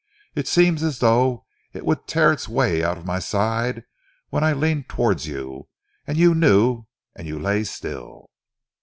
It seemed as though it would tear its way out of my side when I leaned towards you, and you knew, and you lay still."